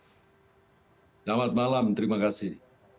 selamat malam terima kasih